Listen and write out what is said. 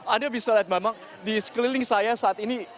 anda bisa lihat memang di sekeliling saya saat ini